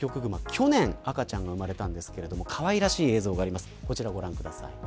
去年、赤ちゃんが生まれたんですがかわいらしい映像があります。